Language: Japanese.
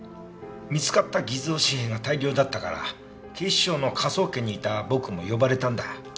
見つかった偽造紙幣が大量だったから警視庁の科捜研にいた僕も呼ばれたんだ。